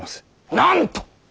なんと！